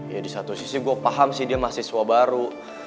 ya di satu sisi gue paham sih dia mahasiswa baru